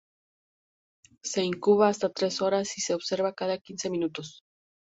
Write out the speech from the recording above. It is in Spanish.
Se incuba hasta tres horas y se observa cada quince minutos.